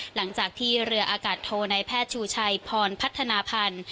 หลังจากที่เรืออากาศโทในแพทย์ชูชัยพรพัฒนาพันธ์